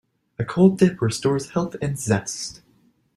A cold dip restores health and zest.